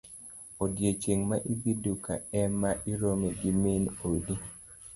Odiochieng' ma idhi duk ema irome gi min odi.